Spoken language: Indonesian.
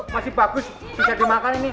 masih bagus bisa dimakan ini